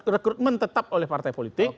rekrutmen tetap oleh partai politik